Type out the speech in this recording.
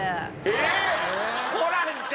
えっ！？